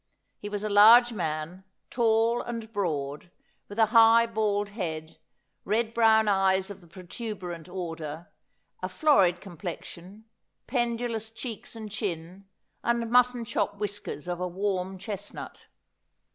He was a large man, tall and broad, with a high bald head, red brown eves of the pro tuberant order, a florid complexion, pendulous cheeks and chin, and mutton chop whiskers of a warm chestnut.